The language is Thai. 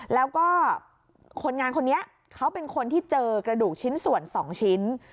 แล้วก็คนงานคนนี้เขาเป็นคนที่เจอกระดูกชิ้นส่วน๒ชิ้น